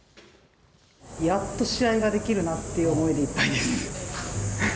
やっと試合ができるなっていう思いでいっぱいです。